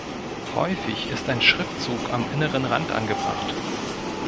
Häufig ist ein Schriftzug am inneren Rand angebracht.